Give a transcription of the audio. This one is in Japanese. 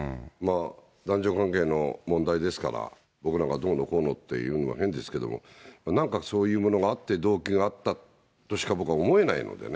男女関係の問題ですから、僕らがどうのこうのって言うの変ですけど、なんかそういうものがあって、動機があったとしか、僕は思えないのでね。